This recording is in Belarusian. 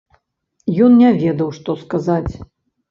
Ён не ведаў, што сказаць.